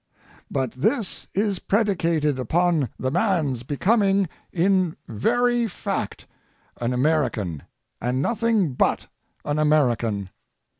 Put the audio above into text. ^^But this is predicated upon the man's becoming in very fact an American and nothing but an American.